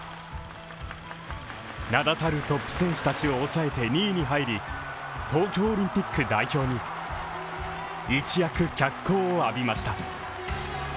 名だたるトップ選手たちを抑えて２位に入り東京オリンピック代表に一躍脚光を浴びました。